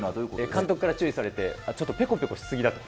監督から注意されて、ちょっと、ぺこぺこしすぎだと。